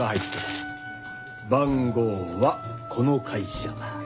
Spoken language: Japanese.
番号はこの会社。